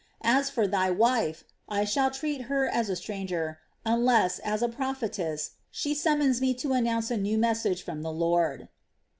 As for thy wife, I shall treat her as a stranger unless, as a prophetess, she summons me to announce a new message from the Lord."